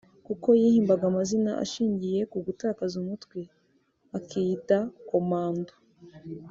kuko yihimbaga amazina ashingiye ku gutakaza umutwe akiyita Commando